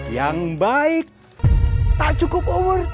yang baik tak cukup umur